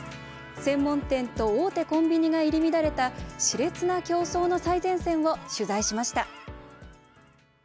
専門店と大手コンビニが入り乱れたしれつな競争の最前線を取材しました。